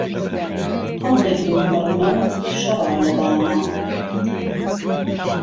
ههڵدهگرم بڕنهو شهڕه له بانه